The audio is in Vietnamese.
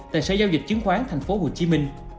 tại xã giao dịch chứng khoán tp hcm